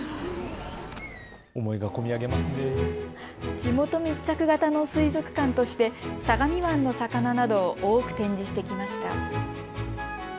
地元密着型の水族館として相模湾の魚などを多く展示してきました。